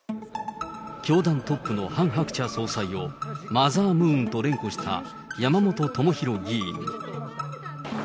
教団トップのハン・ハクチャ総裁を、マザームーンと連呼した山本朋広議員。